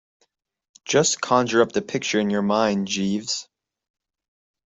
Just conjure up the picture in your mind, Jeeves.